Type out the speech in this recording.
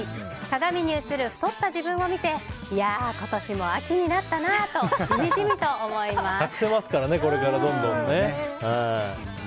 鏡に映る太った自分を見ていやー、今年も秋になったなとしみじみと思います。